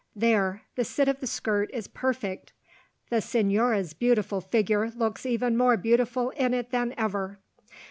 There, the sit of the skirt is perfect; the señora's beautiful figure looks more beautiful in it than ever.